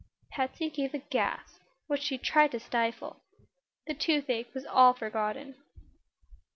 Patsy gave a gasp, which she tried to stifle. The toothache was all forgotten.